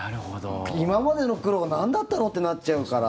今までの苦労がなんだったのってなっちゃうから。